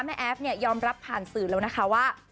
แม่แอฟยอมรับผ่านสื่อแล้วนะคะว่า